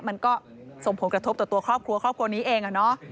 มันก็ส่งผลกระทบต่อตัวครอบครัวครอบครัวนี้เอง